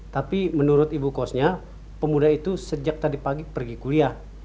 tapi menurut ibu kosnya pemuda itu sejak tadi pagi pergi kuliah